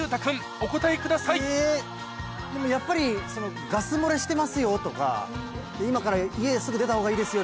お答えくださいでもやっぱり「ガス漏れしてますよ」とか「今から家すぐ出た方がいいですよ」